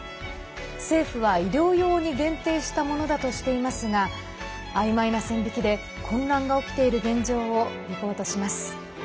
政府は医療用に限定したものだとしていますがあいまいな線引きで混乱が起きている現状をリポートします。